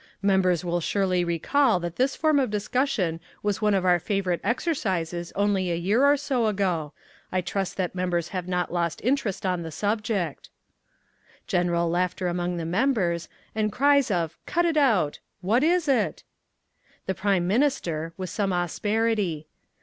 Members will surely recall that this form of discussion was one of our favourite exercises only a year or so ago. I trust that members have not lost interest in the subject." (General laughter among the members, and cries of "Cut it out!" "What is it?") The Prime Minister (with some asperity).